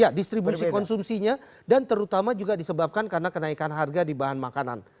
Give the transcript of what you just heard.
ya distribusi konsumsinya dan terutama juga disebabkan karena kenaikan harga di bahan makanan